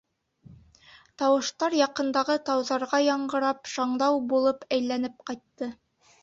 Тауыштар яҡындағы тауҙарға яңғырап, шаңдау булып әйләнеп ҡайтты.